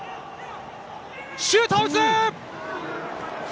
シュートを打つ！